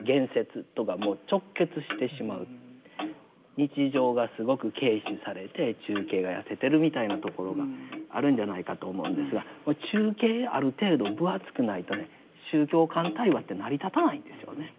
日常がすごく軽視されて中景が痩せてるみたいなところがあるんじゃないかと思うんですが中景ある程度分厚くないとね宗教間対話って成り立たないんですよね。